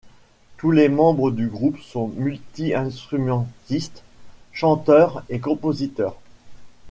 Tous les membres du groupe sont multi-instrumentistes, chanteurs et compositeurs.